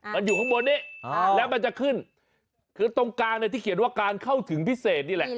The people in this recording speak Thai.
มันอยู่ข้างบนนี้แล้วมันจะขึ้นคือตรงกลางเนี่ยที่เขียนว่าการเข้าถึงพิเศษนี่แหละ